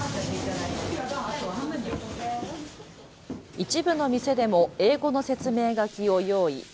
一部の店でも英語の説明書きを用意。